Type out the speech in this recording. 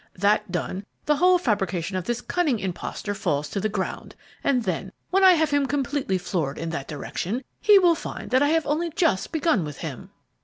That done, the whole fabrication of this cunning impostor falls to the ground, and then, when I have him completely floored in that direction, he will find that I have only just begun with him."